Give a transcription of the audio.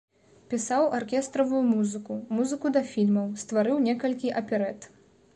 Пісаў аркестравую музыку, музыку да фільмаў, стварыў некалькі аперэт.